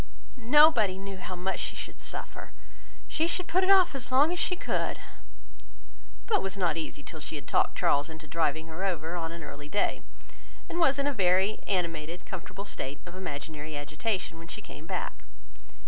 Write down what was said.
"Nobody knew how much she should suffer. She should put it off as long as she could;" but was not easy till she had talked Charles into driving her over on an early day, and was in a very animated, comfortable state of imaginary agitation, when she came back.